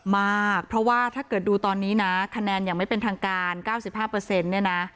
มากเพราะว่าถ้าเกิดดูตอนนี้นะคะแนนยังไม่เป็นทางการ๙๕เปอร์เซ็นต์เนี่ยนะ